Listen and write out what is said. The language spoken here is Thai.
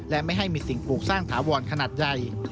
และไม่ให้มีสิ่งปลูกสร้างถาวรขนาดใหญ่